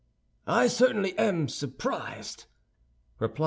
"I certainly am surprised," replied M.